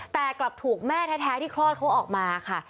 แต่กลับถูกแม่แท้ที่คลอดเขาออกมาค่ะ